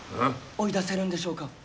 追い出せるんでしょうか？